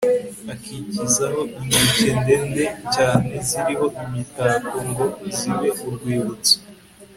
akikizaho inkike ndende cyane ziriho imitako ngo zibe urwibutso